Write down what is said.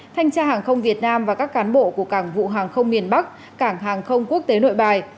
thanh tra hàng không việt nam và các cán bộ của cảng vụ hàng không miền bắc cảng hàng không quốc tế nội bài